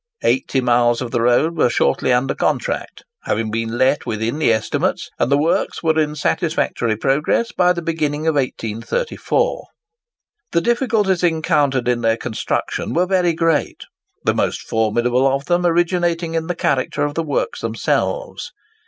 Eighty miles of the road were shortly under contract, having been let within the estimates; and the works were in satisfactory progress by the beginning of 1834. The difficulties encountered in their construction were very great; the most formidable of them originating in the character of the works themselves.